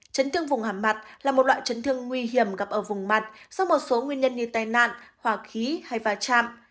trấn thương vùng hàm mặt là một loại trấn thương nguy hiểm gặp ở vùng mặt do một số nguyên nhân như tai nạn hòa khí hay phá trạm